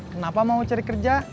kenapa mau cari kerja